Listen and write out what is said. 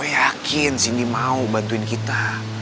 ya gue yakin cindy mau bantuin kita